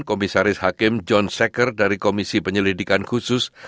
komisaris hakim john seker dari komisi penyelidikan khusus